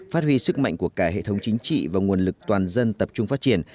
phát huy sức mạnh của cả hệ thống chính trị và nguồn lực toàn dân tập trung phát triển